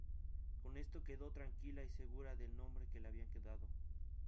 Con esto quedó tranquila y segura del nombre que le habían dado.